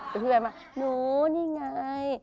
แล้วพี่แบมว่าหนูนี่ไง